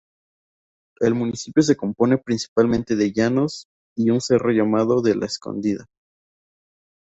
El municipio se compone principalmente de llanos, y un cerro llamado de la escondida.